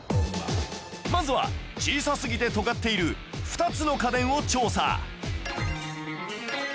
まずは小さすぎて尖っている２つの家電を調査